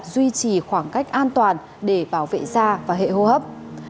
duy trì khoảng cách an toàn để bảo vệ da và hệ hô hấp